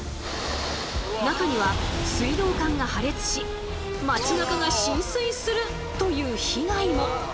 中には水道管が破裂し町なかが浸水するという被害も。